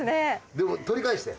でも取り返して。